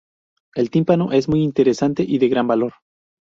El tímpano es muy interesante y de gran valor.